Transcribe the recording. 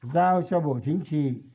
giao cho bộ chính trị